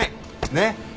ねっ。